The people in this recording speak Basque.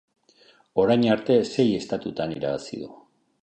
Orain arte, sei estatutan irabazi du.